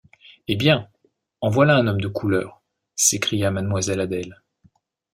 Eh! bien, en voilà un homme de couleur ! s’écria mademoiselle Adèle.